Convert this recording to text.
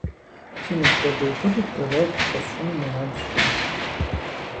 Си ныбжьэгъуитӏыр дарэгъу къэсщӀыну мурад сщӀащ.